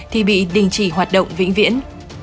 thì bị đình chỉ hoạt động vĩnh viễn